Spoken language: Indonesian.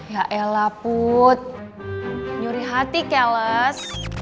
ya elah put nyuri hati kelas